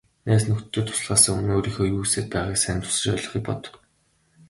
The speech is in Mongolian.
Найз нөхдөдөө туслахаасаа өмнө өөрийнхөө юу хүсээд байгааг сайн тусгаж ойлгохыг бод.